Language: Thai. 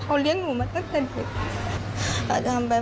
ประตู๓ครับ